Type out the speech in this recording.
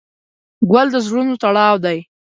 ګل د زړونو تړاو دی.